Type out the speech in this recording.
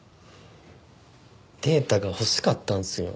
データが欲しかったんすよ。